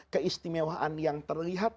keistimewaan yang terlihat